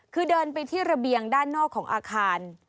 คือเดินไปที่ระเบียงด้านนอกของอาคาร